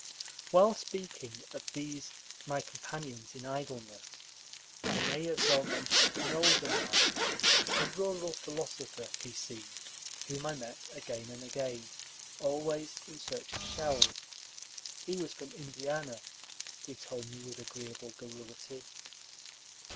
While speaking of these my companions in idleness, I may as well mention an older man, a rural philosopher, he seemed, whom I met again and again, always in search of shells. He was from Indiana, he told me with agreeable garrulity.